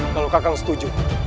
kalau kakak setuju